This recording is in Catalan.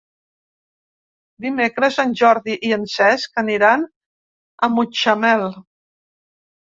Dimecres en Jordi i en Cesc aniran a Mutxamel.